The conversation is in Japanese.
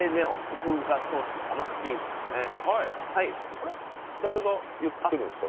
あれっ、誰が言ってるんですか？